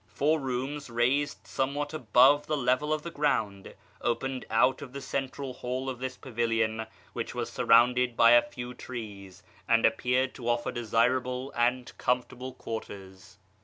Four rooms, raised somewhat above the level of the ground, opened out of the central hall of this pavilion, which was surrounded by a few trees, and appeared to offer desirable and comfortable quarters.